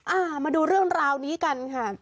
อ่ามาดูเรื่องราวนี้กันค่ะ